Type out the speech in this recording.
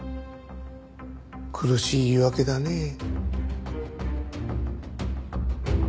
苦しい言い訳だねえ。